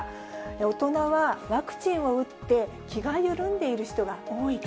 大人はワクチンを打って、気が緩んでいる人が多いと。